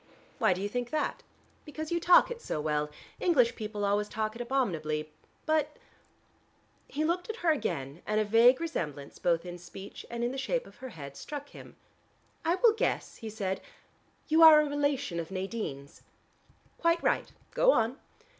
"Why do you think that?" "Because you talk it so well. English people always talk it abominably. But " He looked at her again, and a vague resemblance both in speech and in the shape of her head struck him. "I will guess," he said, "you are a relation of Nadine's." "Quite right: go on."